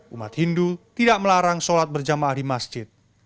umat hindu tidak melarang sholat berjamaah di masjid